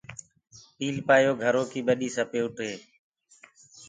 پيٚلپآيو گھرو ڪي ٻڏي سپوٽ هي۔